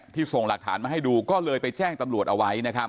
ส่งหลักฐานมาให้ดูก็เลยไปแจ้งตำรวจเอาไว้นะครับ